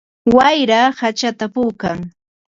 Wayra hachata puukan.